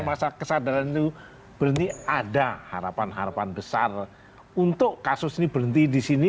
masa kesadaran itu berhenti ada harapan harapan besar untuk kasus ini berhenti di sini